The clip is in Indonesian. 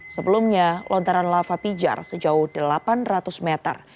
sebelumnya lontaran lava pijar sejauh delapan ratus meter